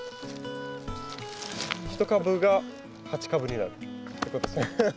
１株が８株になるってことですね。